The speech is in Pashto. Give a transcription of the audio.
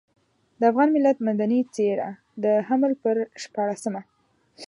د افغان ملت مدني څېره د حمل پر شپاړلسمه.